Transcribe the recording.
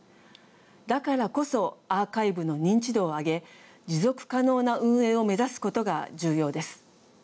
だからこそアーカイブの認知度を上げ持続可能な運営を目指すことが重要です。